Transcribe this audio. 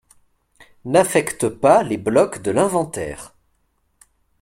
N'affecte pas les blocs de l'inventaire.